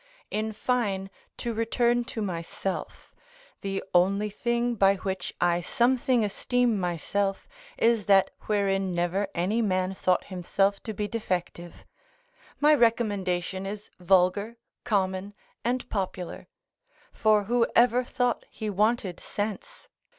In fine, to return to myself: the only thing by which I something esteem myself, is that wherein never any man thought himself to be defective; my recommendation is vulgar, common, and popular; for who ever thought he wanted sense?